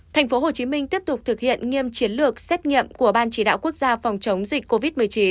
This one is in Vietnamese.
tp hcm tiếp tục thực hiện nghiêm chiến lược xét nghiệm của ban chỉ đạo quốc gia phòng chống dịch covid một mươi chín